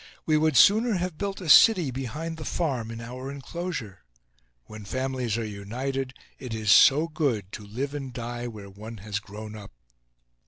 We would sooner have built a city behind the farm, in our enclosure. When families are united, it is so good to live and die where one has grown up!